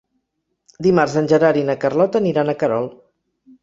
Dimarts en Gerard i na Carlota aniran a Querol.